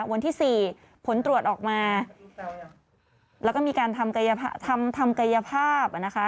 วันที่สี่ผลตรวจออกมาแล้วก็มีการทำกัยภาพทำกัยภาพอ่ะนะคะ